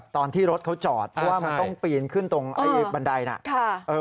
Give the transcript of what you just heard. ตอนที่รถเขาจอดเพราะว่ามันต้องปีนขึ้นตรงไอ้บันไดน่ะ